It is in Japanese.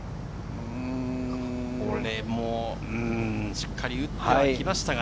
しっかり打っては来ましたが。